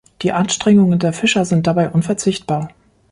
Die Anstrengungen der Fischer sind dabei unverzichtbar.